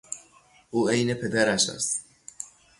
او عین پدرش است.